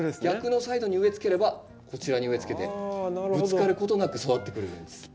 逆のサイドに植えつければこちらに植えつけてぶつかることなく育ってくれるんです。